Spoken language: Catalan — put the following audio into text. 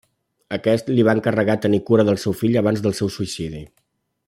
Aquest li va encarregar tenir cura del seu fill abans del seu suïcidi.